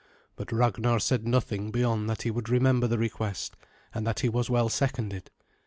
But Ragnar said nothing beyond that he would remember the request, and that he was well seconded.